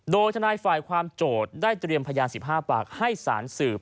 โดยทนายฝ่ายความโจทย์ได้เตรียมพยาน๑๕ปากให้สารสืบ